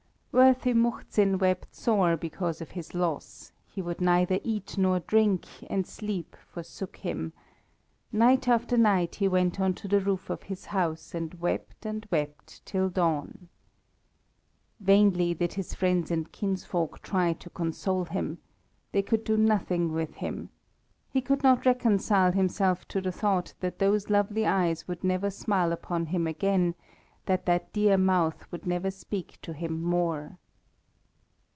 Worthy Muhzin wept sore because of this loss; he would neither eat nor drink, and sleep forsook him. Night after night he went on to the roof of his house, and wept and wept till dawn. Vainly did his friends and kinsfolk try to console him. They could do nothing with him. He could not reconcile himself to the thought that those lovely eyes would never smile upon him again, that that dear mouth would never speak to him more.